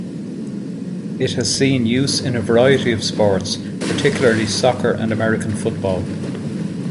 It has seen use in a variety of sports, particularly soccer and American football.